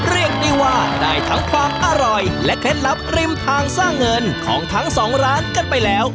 เรียกได้ว่าได้ทั้งความอร่อยและเคล็ดลับริมทางสร้างเงินของทั้งสองร้านกันไปแล้ว